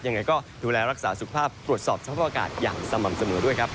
ยังไงก็ดูแลรักษาสุขภาพตรวจสอบสภาพอากาศอย่างสม่ำเสมอด้วยครับ